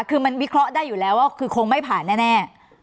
คือมันวิเคราะห์ได้อยู่แล้วว่าคือคงไม่ผ่านแน่